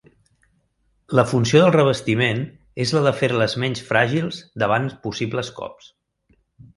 La funció del revestiment és la de fer-les menys fràgils davant possibles cops.